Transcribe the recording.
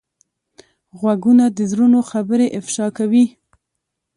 غوږونه د زړونو خبرې افشا کوي